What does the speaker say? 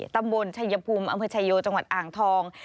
ตำบลชายภูมิอำเภอชายโยจังหวัดอ่างทอง